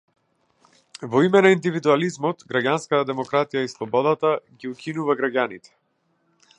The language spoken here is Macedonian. Во име на индивидуализмот, граѓанската демократија и слободата - ги укинува граѓаните.